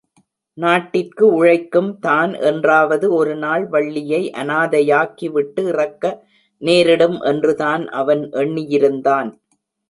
நாட்டிற்கு உழைக்கும் தான் என்றாவது ஒரு நாள் வள்ளியை அனாதையாக்கி விட்டு இறக்க நேரிடும் என்றுதான் அவன் எண்ணிருந்தான்.